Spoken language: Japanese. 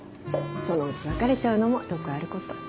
そのうち別れちゃうのもよくある事。